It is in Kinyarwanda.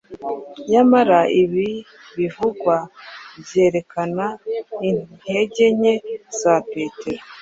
Nyamara ibi bivugwa byerekena intege nke za Petero